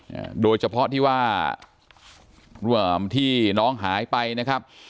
อ่าโดยเฉพาะที่ว่าที่น้องหายไปนะครับ